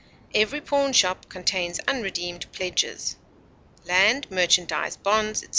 Every pawnshop contains unredeemed pledges; land, merchandise, bonds, etc.